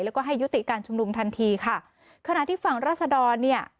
แล้วก็ให้ยุติการชุมนุมทันทีค่ะขณะที่ฝั่งราศดรเนี่ย